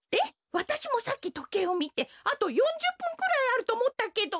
わたしもさっきとけいをみてあと４０ぷんくらいあるとおもったけど。